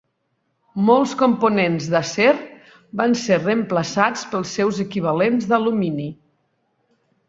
Molts components d'acer van ser reemplaçats pels seus equivalents d'alumini.